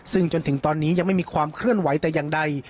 ซึ่งจนถึงตอนนี้ยังไม่มีความเคลื่อนไหวแต่อย่างใด